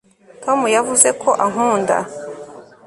tom yavuze ko ankunda